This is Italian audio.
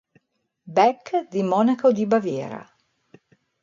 Beck di Monaco di Baviera.